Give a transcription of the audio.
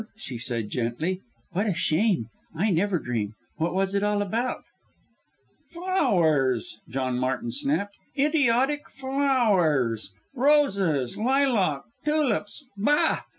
she said gently. "What a shame! I never dream. What was it all about?" "Flowers!" John Martin snapped, "idiotic flowers! Roses, lilac, tulips! Bah!